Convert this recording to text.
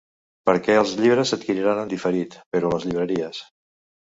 Perquè els llibres s’adquiriran en diferit, però a les llibreries.